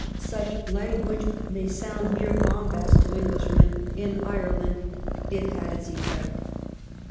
Such language may sound mere bombast to Englishmen : in Ireland it had its effect.